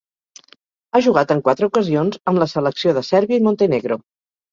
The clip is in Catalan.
Ha jugat en quatre ocasions amb la selecció de Sèrbia i Montenegro.